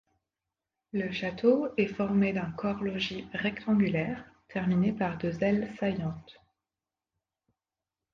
Le château est formé d'un corps logis rectangulaire terminé par deux ailes saillantes.